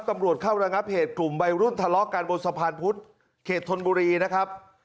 ตำรวจเข้าระงับเหตุกลุ่มวัยรุ่นทะเลาะกันบนสะพานพุธเขตธนบุรีนะครับ